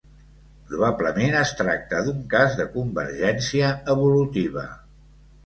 Probablement es tracta d'un cas de convergència evolutiva.